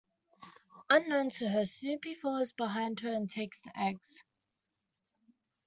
Unknown to her, Snoopy follows behind her and takes the eggs.